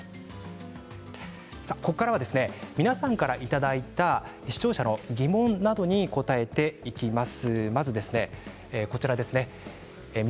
ここからは皆さんからいただいた視聴者の疑問などに答えていきます。